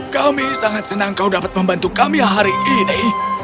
kami sangat senang kau dapat membantu kami hari ini